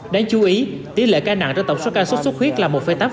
đáng chú ý tỷ lệ ca nặng cho tổng số ca sốt xuất huyết là một tám